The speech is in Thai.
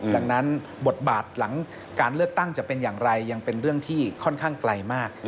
ดังนั้นบทบาทหลังการเลือกตั้งจะเป็นอย่างไรยังเป็นเรื่องที่ค่อนข้างไกลมาก